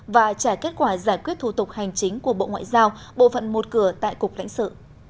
và trả kết quả giải quyết thủ tục hành chính của bộ ngoại giao bộ phận một cửa tại cục lãnh sự